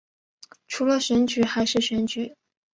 除了选举还是选举